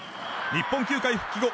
日本球界復帰後